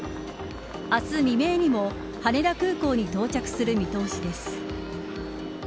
明日未明にも羽田空港に到着する見通しです。